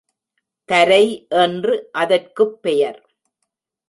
தரை என்று அதற்குப் பெயர்.